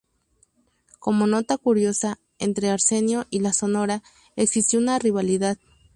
Como nota curiosa, entre Arsenio y la Sonora existió una "rivalidad".